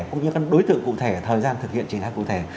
cũng như đối tượng cụ thể thời gian thực hiện trình thác cụ thể